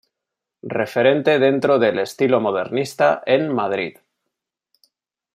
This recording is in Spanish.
Referente dentro del estilo modernista en Madrid.